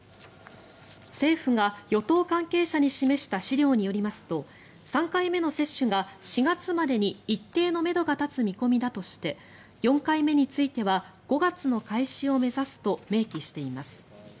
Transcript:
政府が与党関係者に示した資料によりますと３回目の接種が４月までに一定のめどが立つ見込みだとして４回目については５月の開始を目指すと明記しています。